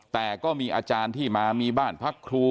แต่ก็มีอาจารย์ที่มามีบ้านพักครู